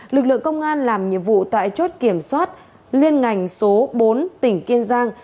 lực lượng công an làm nhiệm vụ tại chốt kiểm soát liên ngành số bốn tỉnh kiên giang